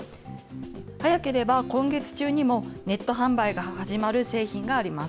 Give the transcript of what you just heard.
早ければ今月中にも、ネット販売が始まる製品があります。